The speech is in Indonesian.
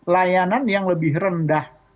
layanan yang lebih rendah